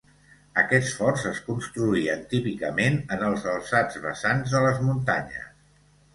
Aquests forts es construïen típicament en els alçats vessants de les muntanyes.